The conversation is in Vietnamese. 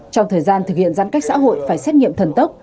trong thời gian thực hiện giãn cách xã hội phải xét nghiệm thần tốc